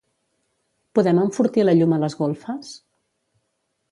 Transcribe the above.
Podem enfortir la llum a les golfes?